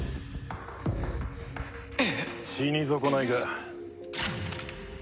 死に損ないが。